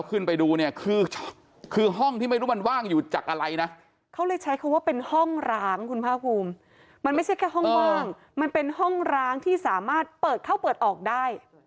เลี่ยงโดยสามารถเปิดเข้าเปิดออกได้